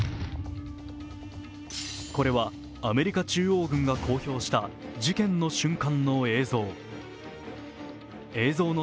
これはアメリカ中央軍が公表した事件の瞬間の映像。